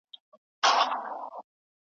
عمر تېر سو وېښته سپین سول ځواني وخوړه کلونو